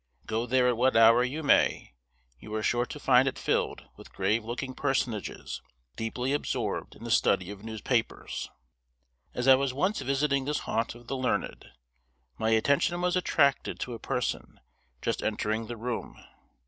Go there at what hour you may, you are sure to find it filled with grave looking personages, deeply absorbed in the study of newspapers. As I was once visiting this haunt of the learned, my attention was attracted to a person just entering the room.